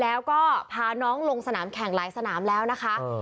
แล้วก็พาน้องลงสนามแข่งหลายสนามแล้วนะคะ